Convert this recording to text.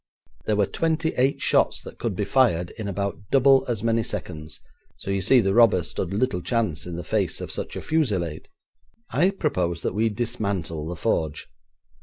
There were twenty eight shots that could be fired in about double as many seconds, so you see the robber stood little chance in the face of such a fusillade. I propose that we dismantle the forge.'